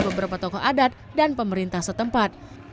beberapa tokoh adat dan pemerintah setempat